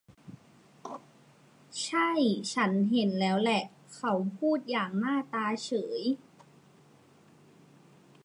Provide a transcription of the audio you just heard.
ใช่ ฉันเห็นแล้วแหละ เขาพูดอย่างหน้าตาเฉย